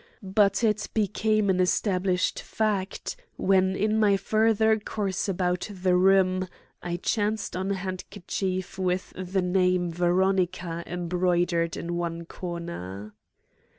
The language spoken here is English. But it became an established fact when in my further course about the room I chanced on a handkerchief with the name Veronica embroidered in one corner.